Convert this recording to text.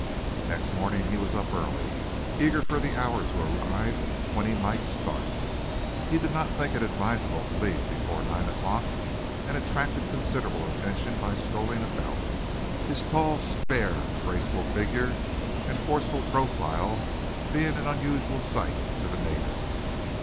Next morning he was up early, eager for the hour to arrive when he might start. He did not think it advisable to leave before nine o'clock, and attracted considerable attention by strolling about, his tall, spare, graceful figure and forceful profile being an unusual sight to the natives.